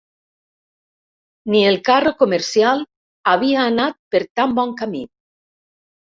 ...ni el carro comercial havia anat per tant bon camí.